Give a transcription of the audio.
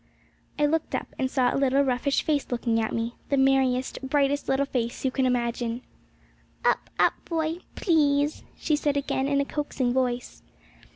I looked up, and saw a little roguish face looking at me the merriest, brightest little face you can imagine. 'Up, up, boy, please!' she said again, in a coaxing voice.